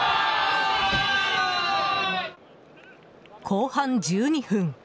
後半１２分。